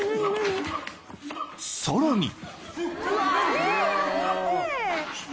［さらに］